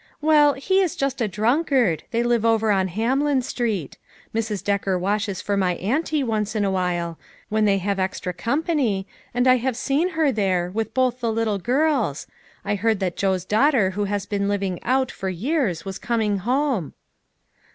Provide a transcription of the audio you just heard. " Well, he is just a drunkard ; they live over on Hamlin street. Mrs. Decker washes for my auntie once in awhile, when they have extra company, and I have seen her there, with both the little girls. I heard that Joe's daughter who has been living out, for years, was coming home."